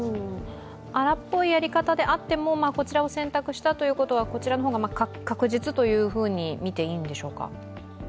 荒っぽいやり方であっても、こちらを選択したというのはこちらの方が確実というふうにみていいんでしょうか？